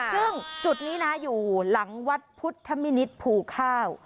ซึ่งจุดนี้นะอยู่หลังวัดพุทธมินิษฐ์ภูข้าว